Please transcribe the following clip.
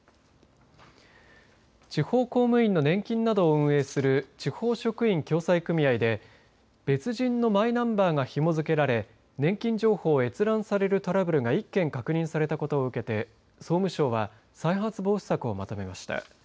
地方公務員の年金などを運営する地方職員共済組合で別人のマイナンバーがひも付けられ年金情報を閲覧されるトラブルが１件確認されたことを受けて総務省は再発防止策をまとめました。